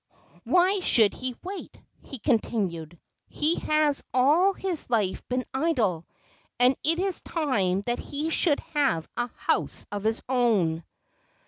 "Why should he wait?" he continued; "he has all his life been idle, and it is time that he should have a house of his own."